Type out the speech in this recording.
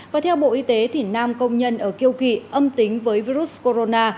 và theo bộ y tế thì nam công nhân ở kiêu kỵ âm tính với virus corona